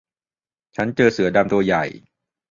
ฉันเจอเสือดำตัวใหญ่